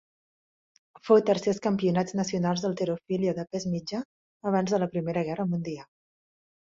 Fou tercer als campionats nacionals d'halterofília de pes mitjà abans de la Primera Guerra Mundial.